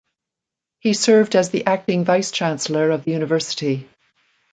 He served as the acting Vice Chancellor of the university.